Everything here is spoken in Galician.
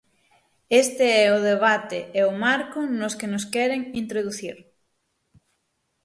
Este é o debate e o marco nos que nos queren introducir.